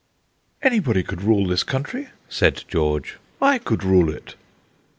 "Anybody could rule this country," said George; "I could rule it."